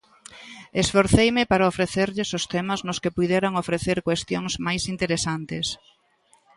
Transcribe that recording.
Esforceime para ofrecerlles os temas nos que puideran ofrecer cuestións máis interesantes.